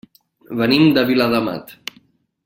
Venim de Viladamat.